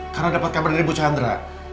karena dapat kabar dari bu chandra